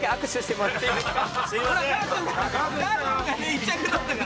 １着だったから。